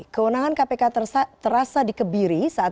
kewenangan kpk terasa dikebiri saat